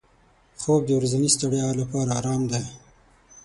خوب د ورځني ستړیا لپاره آرام دی